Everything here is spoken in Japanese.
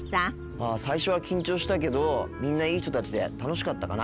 まあ最初は緊張したけどみんないい人たちで楽しかったかな。